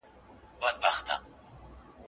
ته مي آیینه یې له غبار سره مي نه لګي